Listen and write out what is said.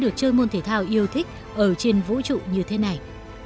có thể thao yêu thích ở trên vũ trụ như thế này